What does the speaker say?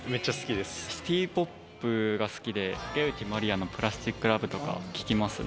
シティポップが好きで、竹内まりやのプラスチックラブとかを聴きますね。